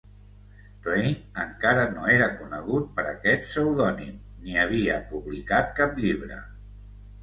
Twain encara no era conegut per aquest pseudònim ni havia publicat cap llibre.